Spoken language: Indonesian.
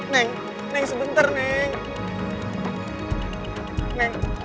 neng neng sebentar neng